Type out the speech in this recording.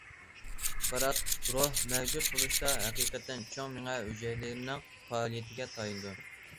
بىراق، روھ مەۋجۇت بولۇشتا ھەقىقەتەن چوڭ مېڭە ھۈجەيرىلىرىنىڭ پائالىيىتىگە تايىنىدۇ.